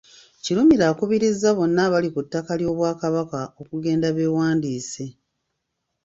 Kirumira akubirizza bonna abali ku ttaka ly’Obwakabaka okugenda bewandiise.